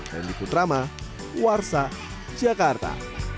dan di putrama warsa jakarta